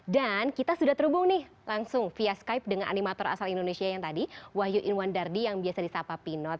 dan kita sudah terhubung nih langsung via skype dengan animator asal indonesia yang tadi wahyu inwan dardi yang biasa disapa pinot